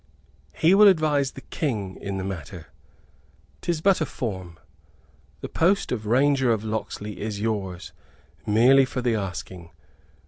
"He will advise the King in the matter. 'Tis but a form. The post of Ranger of Locksley is yours, merely for the asking.